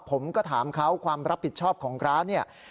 ผมก็ถามเขาความรับผิดชอบของร้านเนี่ย